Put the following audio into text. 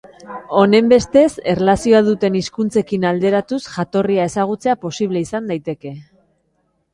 Honenbestez, erlazioa duten hizkuntzekin alderatuz jatorria ezagutzea posible izan daiteke.